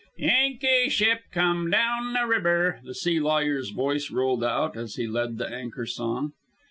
"'Yankee ship come down the ribber!'" the sea lawyer's voice rolled out as he led the anchor song.